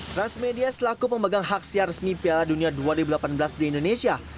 transmedia selaku pemegang hak siar resmi piala dunia dua ribu delapan belas di indonesia